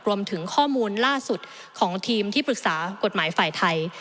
รวมถึงข้อมูลล่าสุดของทีมที่ปรึกษากฎหมายฝ่ายไทย